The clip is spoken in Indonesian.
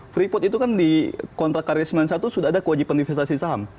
free port itu kan di kontrak karya seribu sembilan ratus sembilan puluh satu sudah ada kewajiban investasi saham